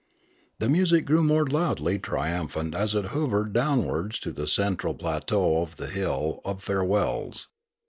The music grew more loudly triumphant as it hovered downwards to the central plateau of the hill of farewells.